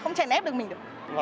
không chẳng ép được mình được